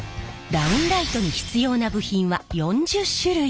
ダウンライトに必要な部品は４０種類。